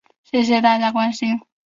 谢谢大家关心